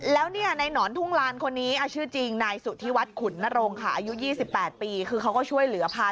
แล้วนี่ในหนอนทุ่งลานคนนี้ชื่อจริงนายสุธิวัฒน์ขุนนรงค์ค่ะ